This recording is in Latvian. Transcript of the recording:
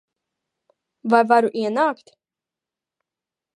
Vai varu ienākt?